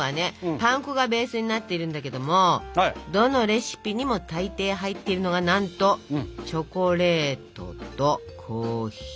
パン粉がベースになっているんだけどもどのレシピにもたいてい入っているのがなんとチョコレートとコーヒー。